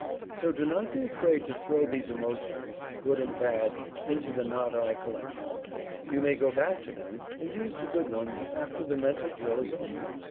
So do not be afraid to throw these emotions (good and bad) into the "not I" collection. You may go back to them, and use the good ones, after the Mental Drill is over.